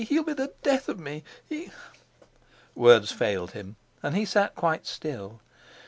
He'll be the death of me; he ...." Words failed him and he sat quite still.